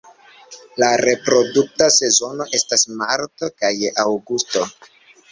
La reprodukta sezono estas marto kaj aŭgusto.